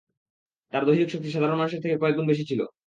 তাঁর দৈহিক শক্তি সাধারণ মানুষ থেকে কয়েক গুণ বেশি ছিল।